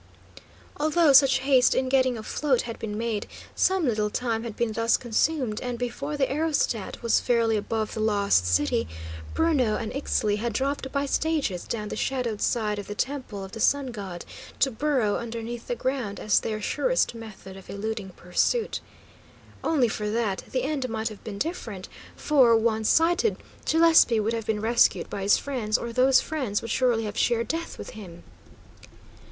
Although such haste in getting afloat had been made, some little time had been thus consumed, and, before the aerostat was fairly above the Lost City, Bruno and Ixtli had dropped by stages down the shadowed side of the Temple of the Sun God, to burrow underneath the ground as their surest method of eluding pursuit. Only for that, the end might have been different, for, once sighted, Gillespie would have been rescued by his friends, or those friends would surely have shared death with him.